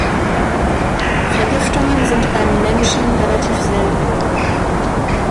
Vergiftungen sind beim Menschen relativ selten.